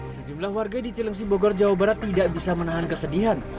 sejumlah warga di cilengsi bogor jawa barat tidak bisa menahan kesedihan